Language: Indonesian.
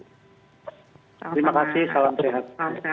terima kasih salam sehat